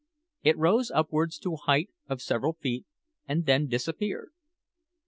It rose upwards to a height of several feet, and then disappeared.